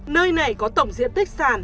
nơi này có tổng diện tích sản